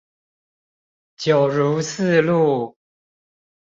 九如四路